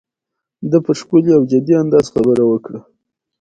ده په ښکلي او جدي انداز خبره وکړه.